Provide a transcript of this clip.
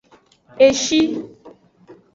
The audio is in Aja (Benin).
E shi.